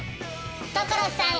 所さん